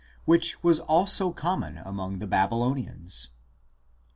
6, which was also common among the Babylonians.